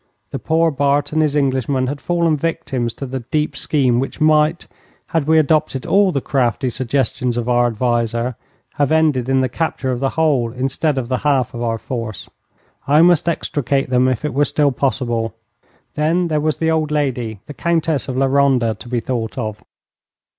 The poor Bart and his Englishmen had fallen victims to the deep scheme which might, had we adopted all the crafty suggestions of our adviser, have ended in the capture of the whole instead of the half of our force. I must extricate them if it were still possible. Then there was the old lady, the Countess of La Ronda, to be thought of.